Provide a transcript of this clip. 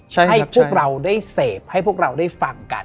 ให้พวกเราได้เสพให้พวกเราได้ฟังกัน